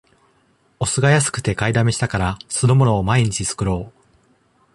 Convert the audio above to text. お酢が安くて買いだめしたから、酢の物を毎日作ろう